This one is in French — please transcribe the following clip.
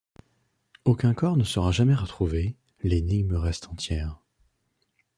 Aucun corps ne sera jamais retrouvé, l'énigme reste entière.